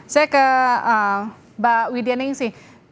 saya ke mbak widya ningsi